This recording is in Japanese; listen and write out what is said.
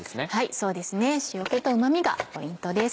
そうですね塩気とうま味がポイントです。